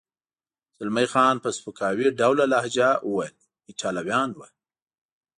زلمی خان په سپکاوي ډوله لهجه وویل: ایټالویان و.